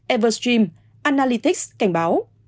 everstream analytics cảnh báo